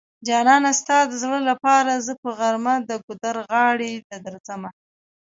جانانه ستا د زړه لپاره زه په غرمه د ګودر غاړی له درځمه